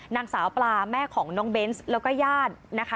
นางสาวปลาแม่ของน้องเบนส์แล้วก็ญาตินะคะ